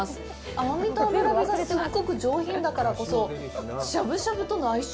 甘みと脂身がすっごく上品だからこそしゃぶしゃぶとの相性